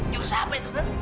juru siapa itu